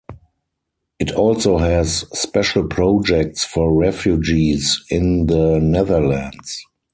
It also has special projects for refugees in the Netherlands.